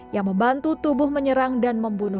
yang membantu tubuh terbentuk dengan kelembagaan